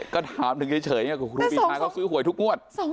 ก็ถามถึงเฉยครูปีชาเขาซื้อหวยทุกงวด